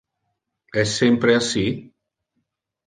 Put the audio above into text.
Es sempre assi?